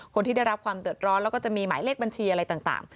คนที่ได้รับความเดือดร้อนแล้วก็จะมีหมายเลขบัญชีอะไรต่าง